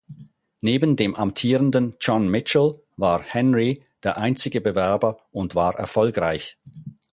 Neben dem amtierenden John Mitchell war Henry der einzige Bewerber und war erfolgreich.